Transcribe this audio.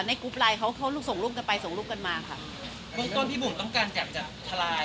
ในกรุ๊ปไลน์เขาเขาส่งลูกกันไปส่งลูกกันมาค่ะต้นต้นพี่บุ๋มต้องการจับจับทลาย